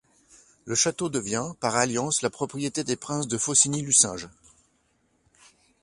Le château devient, par alliance, la propriété des princes de Faucigny-Lucinge.